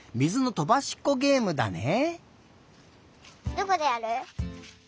どこでやる？